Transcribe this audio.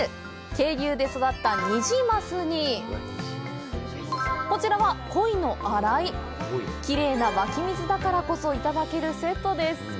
渓流で育ったニジマスにこちらは鯉の洗い、きれいな湧き水だからこそいただけるセットです。